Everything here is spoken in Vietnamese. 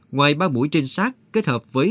ngoài ba mũi trinh sát kết hợp với